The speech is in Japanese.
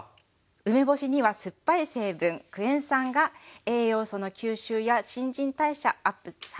梅干しには酸っぱい成分クエン酸が栄養素の吸収や新陳代謝アップさせます。